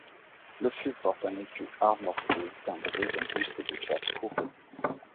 Le fût porte un écu armorié timbré d'un buste de femme couronné.